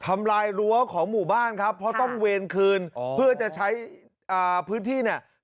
ทำลายรั้วของหมู่บ้านครับเพราะต้องเวรคืนเพื่อจะใช้พื้นที่เนี่ย